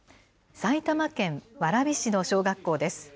埼玉県蕨市の小学校です。